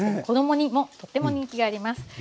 子どもにもとっても人気があります。